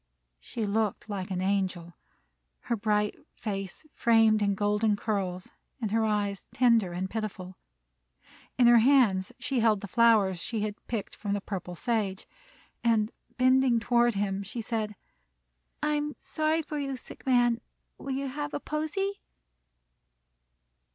She looked like an angel, her bright face framed in golden curls and her eyes tender and pitiful. In her hands she held the flowers that she had picked from the purple sage, and, bending toward him, she said: "I'm sorry for 'ou, sick man. Will 'ou have a posy?"